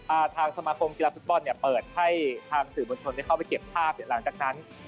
ทางสมาคมกีฬาฟุตบอลเนี่ยเปิดให้ทางสื่อบนชนได้เข้าไปเก็บภาพหลังจากนั้น